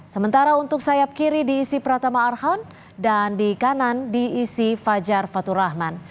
sementara untuk sayap kiri diisi pratama arhan dan di kanan diisi fajar fatur rahman